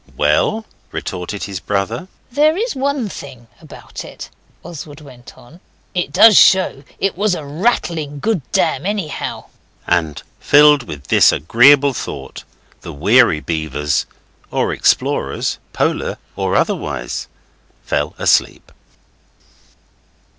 'Well,' retorted his brother. 'There is one thing about it,' Oswald went on, 'it does show it was a rattling good dam anyhow.' And filled with this agreeable thought, the weary beavers (or explorers, Polar or otherwise) fell asleep.